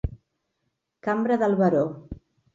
Cambra del Baró.